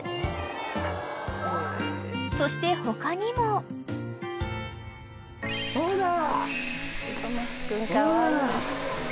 ［そして他にも］ほら。